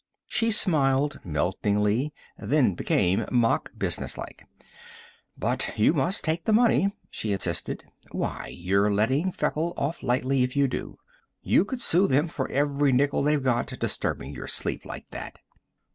She smiled meltingly, then became mock businesslike. "But you must take the money," she insisted. "Why, you're letting Feckle off lightly if you do! You could sue them for every nickel they've got, disturbing your sleep like that."